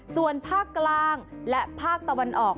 ส่วนภาคกลางและภาคตะวันออก